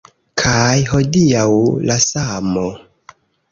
Kaj hodiaŭ… la samo.